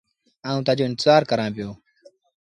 آئوٚݩ تآجو انتزآر ڪرآݩ پيو۔